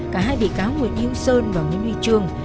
cả hai bị cáo nguyễn như sơn và nguyễn huy dương